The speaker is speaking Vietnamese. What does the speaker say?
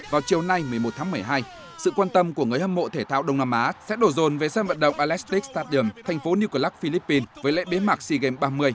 vào chiều nay một mươi một tháng một mươi hai sự quan tâm của người hâm mộ thể thao đông nam á sẽ đổ rồn về sân vận động elestic stadium thành phố new clark philippines với lễ bế mạc sea games ba mươi